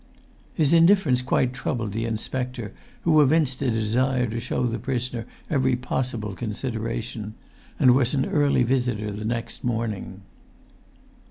His indifference quite troubled the inspector, who evinced a desire to show the prisoner every possible consideration, and was an early visitor next morning.